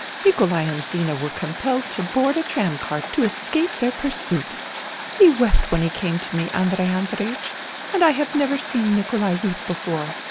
... Nikolai and Zina were finally compelled to board a tram car to escape their pursuit. He wept when he came to me, Andrei Andreiech, and I have never seen Nikolai weep before.